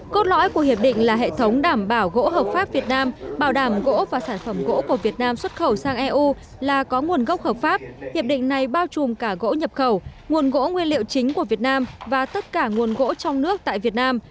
cốt lõi của hiệp định là hệ thống đảm bảo gỗ hợp pháp việt nam bảo đảm gỗ và sản phẩm gỗ của việt nam xuất khẩu sang eu là có nguồn gốc hợp pháp hiệp định này bao trùm cả gỗ nhập khẩu nguồn gỗ nguyên liệu chính của việt nam và tất cả nguồn gỗ trong nước tại việt nam